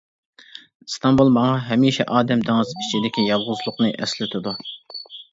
ئىستانبۇل ماڭا ھەمىشە ئادەم دېڭىزى ئىچىدىكى يالغۇزلۇقنى ئەسلىتىدۇ.